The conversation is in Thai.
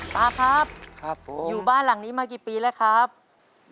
ตาครับอยู่บ้านหลังนี้มากี่ปีแล้วครับ